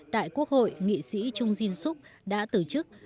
tại quốc hội nghị sĩ trung jin suk đã từ chức